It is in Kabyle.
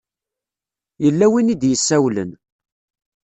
Yella win i d-yessawlen.